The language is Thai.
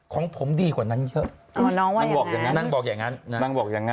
ของผมดีกว่านั้นเยอะนั่งบอกอย่างนั้น